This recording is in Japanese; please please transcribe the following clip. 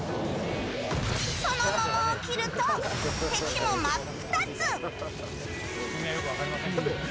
その桃を切ると敵も真っ二つ！